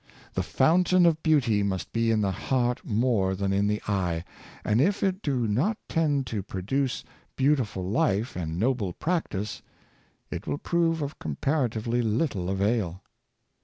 The fountain of beauty must be in the heart more than in the eye, and if it do not tend to produce beautiful life and noble practice, it will prove of comparatively little avail.